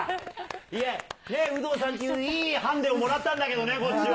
有働さんっていういいハンデをもらったんだけどね、こっちは。